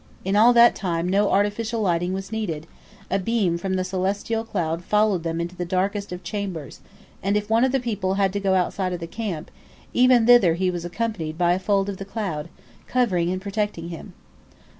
In all that time no artificial lighting was needed; a beam from the celestial cloud followed them into the darkest of chambers, and if one of the people had to go outside of the camp, even thither he was accompanied by a fold of the cloud, covering and protecting him.